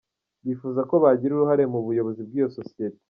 Bifuza ko bagira uruhare mu buyobozi bw’iyo sosiyete.